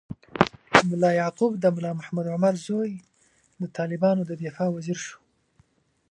ملا یعقوب، د ملا محمد عمر زوی، د طالبانو د دفاع وزیر شو.